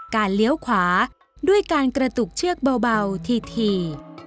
เลี้ยวขวาด้วยการกระตุกเชือกเบาที